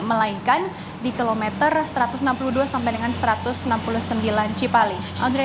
melainkan di kilometer satu ratus enam puluh dua sampai dengan satu ratus enam puluh sembilan cipali